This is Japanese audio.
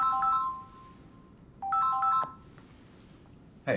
はい。